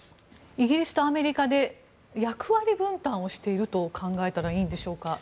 イギリスとアメリカで役割分担をしていると考えたらいいんでしょうか。